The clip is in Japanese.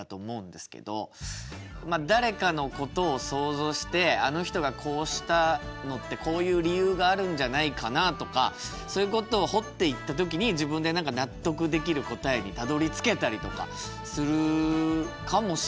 まあ誰かのことを想像してあの人がこうしたのってこういう理由があるんじゃないかなとかそういうことを掘っていった時に自分で何か納得できる答えにたどりつけたりとかするかもしれない。